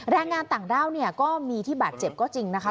แรงงานต่างด้าวเนี่ยก็มีที่บาดเจ็บก็จริงนะคะ